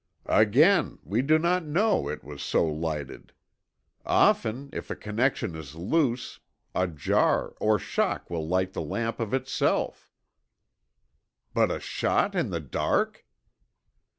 "Again, we do not know it was so lighted. Often, if a connection is loose, a jar or shock will light the lamp of itself." "But the shot in the dark?"